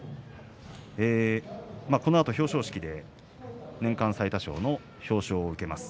このあと表彰式で年間最多勝の表彰を受けます。